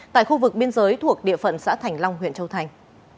tại khu vực biên giới thuộc địa phận xã thành long huyện châu thành